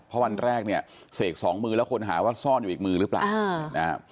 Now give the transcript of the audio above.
เพราะวันแรกเศกสองมือแล้วคุณหาว่าซ่อนอยู่อีกมือหรือเปล่า